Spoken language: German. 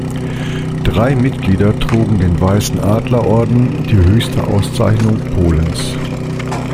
Drei Mitglieder trugen den Weißen Adler-Orden, die höchste Auszeichnung Polens.